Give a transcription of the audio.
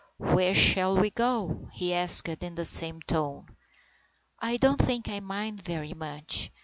"Where shall we go?" he asked in the same tone. " I don't think I mind very much.